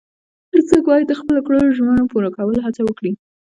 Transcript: هر څوک باید د خپلو کړو ژمنو پوره کولو هڅه وکړي.